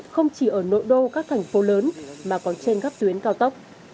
không chỉ ở nội đô các thành phố lớn mà còn trên các tuyến cao tốc